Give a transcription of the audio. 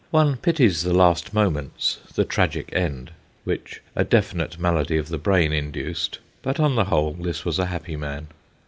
One pities the last moments, the tragic end, which a definite malady of the brain induced, but on the whole this was a happy man.